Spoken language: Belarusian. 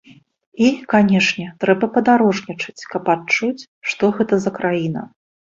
І, канечне, трэба падарожнічаць, каб адчуць, што гэта за краіна.